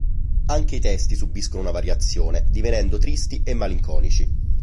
Anche i testi subiscono una variazione, divenendo tristi e malinconici.